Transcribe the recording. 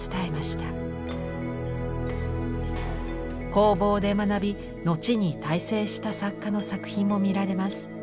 工房で学び後に大成した作家の作品も見られます。